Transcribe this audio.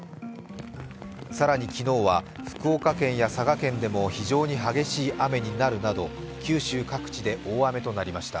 更に昨日は福岡県や佐賀県でも非常に激しい雨になるなど九州各地で大雨となりました。